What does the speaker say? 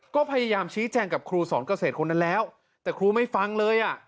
ก็พยายามชี้แจงกับครูสอนเกษตรคนนั้นแล้วแต่ครูไม่ฟังเลยอ่ะ